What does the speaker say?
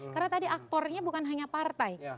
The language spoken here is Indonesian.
karena tadi aktornya bukan hanya partai